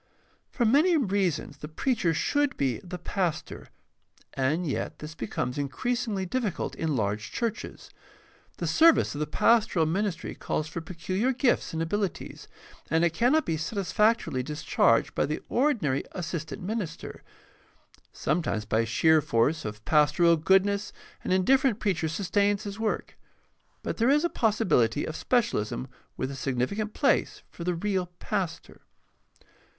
— For many reasons the preacher should be the pastor, and yet this becomes increasingly difficult in large churches. The service of the pastoral minis try calls for peculiar gifts and abilities, and it cannot be satisfactorily discharged by the ordinary assistant minister. Sometimes by sheer force of pastoral goodness an indifferent preacher sustains his work; but there is a possibility of specialism with a significant place for the real pastor.